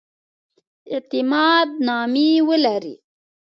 اعتماد نامې ولري.